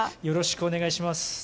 よろしくお願いします。